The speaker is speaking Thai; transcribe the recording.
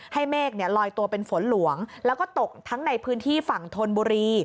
เมฆลอยตัวเป็นฝนหลวงแล้วก็ตกทั้งในพื้นที่ฝั่งธนบุรี